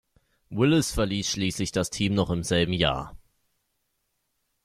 Willis verließ schließlich das Team noch im selben Jahr.